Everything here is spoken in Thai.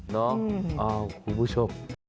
เนาะคุณผู้ชม